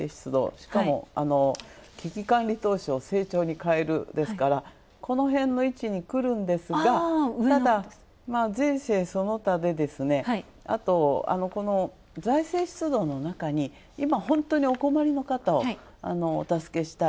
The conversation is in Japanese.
しかも、危機管理成長に変えるですから、このへんの位置に来るんですがただ、財政その他であと、この財政出動のなかに今、ほんとにお困りの方をお助けしたい。